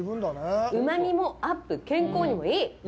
うまみもアップ、健康にもいい。